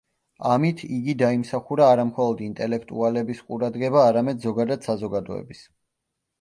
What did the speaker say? ამით იგი დაიმსახურა არამხოლოდ ინტელექტუალების ყურადღება, არამედ ზოგადად საზოგადოების.